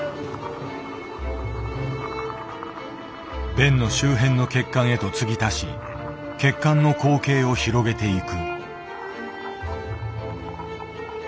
弁の周辺の血管へと継ぎ足し血管の口径を広げていく。